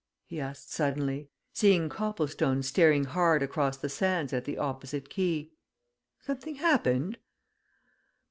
he asked suddenly, seeing Copplestone staring hard across the sands at the opposite quay. "Something happened?"